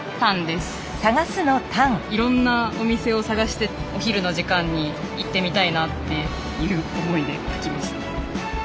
いろんなお店を探してお昼の時間に行ってみたいなっていう思いで書きました。